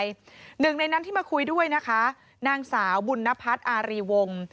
หนึ่งในนั้นที่มาคุยด้วยนะคะนางสาวบุญนพัฒน์อารีวงศ์